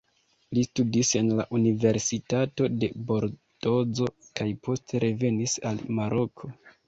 Li studis en la Universitato de Bordozo kaj poste revenis al Maroko.